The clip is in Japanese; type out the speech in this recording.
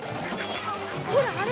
ほらあれ！